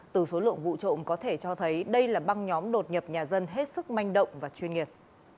từ số lượng vụ trộm có thể cho thấy đây là băng nhóm đột nhập nhà dân hết sức manh động và chuyên nghiệp